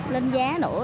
lên giá nữa